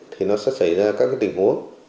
thì nó sẽ xảy ra các tình huống